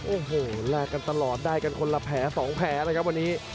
โอ้โหแลกกันตลอดได้กันคนละแผล๒แผลเลยครับวันนี้